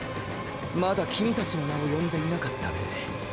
まだキミたちの名を呼んでいなかったね。